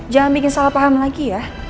jangan bikin salah paham lagi ya